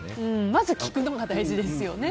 まず聞くのが大事ですよね。